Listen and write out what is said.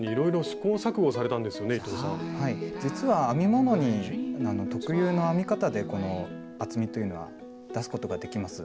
実は編み物に特有の編み方でこの厚みというのは出すことができます。